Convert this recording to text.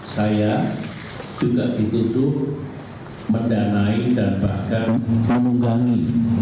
saya juga ditutup mendanai dan bahkan menunggangi